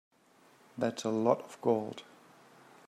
That's a lot of gold.